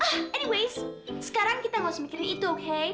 anyways sekarang kita gak usah mikirin itu oke